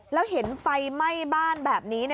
แล้วเห็นไฟไหม้บ้านแบบนี้